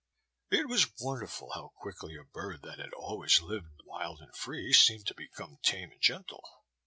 It was wonderful how quickly a bird that had always lived wild and free seemed to become tame and gentle.